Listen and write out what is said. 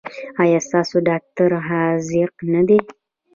ایا ستاسو ډاکټر حاذق نه دی؟